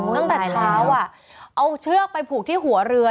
ตั้งแต่เช้าเอาเชือกไปผูกที่หัวเรือ